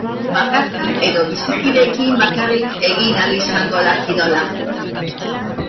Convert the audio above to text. Bakarka edo bizikideekin bakarrik egin ahal izango da kirola.